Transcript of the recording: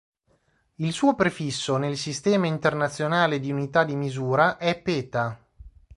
Il suo prefisso nel Sistema internazionale di unità di misura è peta.